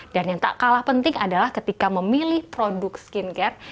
dan yang tak kalah penting adalah ketika memilih produk skincare